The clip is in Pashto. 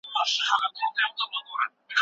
ايا ته د بې کوره انسان په حالت نه خفه کيږې؟